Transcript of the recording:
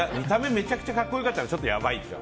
めちゃくちゃ格好良かったらちょっとやばいでしょ。